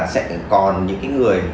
sẽ còn những cái người